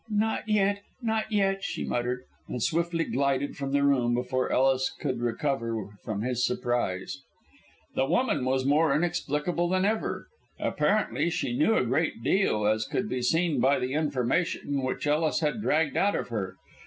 "Not yet, not yet," she muttered, and swiftly glided from the room before Ellis could recover from his surprise. This woman was more inexplicable than ever. Apparently she knew a great deal, as could be seen by the information which Ellis had dragged out of her.